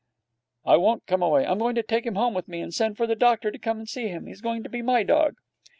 'I won't come away. I'm going to take him home with me and send for the doctor to come and see him. He's going to be my dog.'